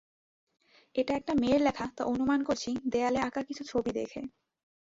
এটা একটা মেয়ের লেখা তা অনুমান করছি দেয়ালে আঁকা কিছু ছবি দেখে।